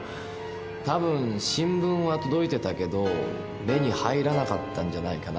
たぶん新聞は届いてたけど目に入らなかったんじゃないかな。